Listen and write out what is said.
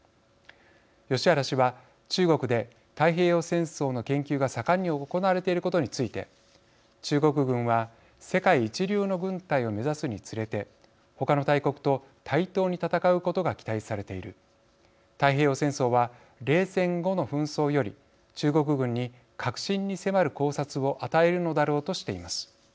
ヨシハラ氏は中国で太平洋戦争の研究が盛んに行われていることについて「中国軍は世界一流の軍隊を目指すにつれて他の大国と対等に戦うことが期待されている」。「太平洋戦争は冷戦後の紛争より中国軍に核心に迫る考察を与えるのだろう」としています。